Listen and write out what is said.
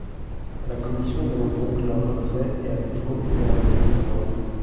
La commission demande donc leur retrait et, à défaut, émet un avis défavorable.